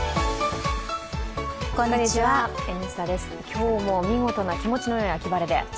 今日も見事な気持ちのよい秋晴れで。